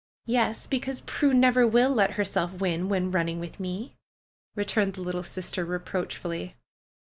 ^^Yes ! Because Prue never will let herself win when running with me," returned the little sister reproach fully.